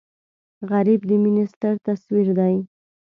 غریب د مینې ستر تصویر دی